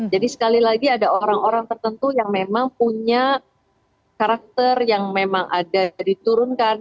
jadi sekali lagi ada orang orang tertentu yang memang punya karakter yang memang ada diturunkan